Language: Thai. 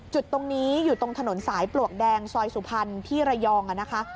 จุดตรงนี้อยู่ตรงถนนสายปลวกแดงซอยสุพรรณที่ระยองนะคะ